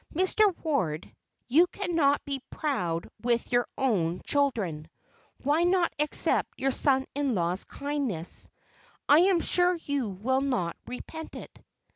Mr. Ward, you cannot be proud with your own children. Why not accept your son in law's kindness? I am sure you will not repent it."